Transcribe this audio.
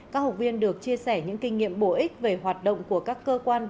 các học viên được chia sẻ những kinh nghiệm bổ ích về hoạt động của các cơ quan